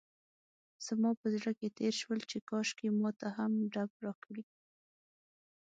زما په زړه کې تېر شول چې کاشکې ماته هم ډب راکړي.